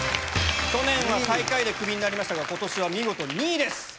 去年は最下位でクビになりましたが今年は見事２位です！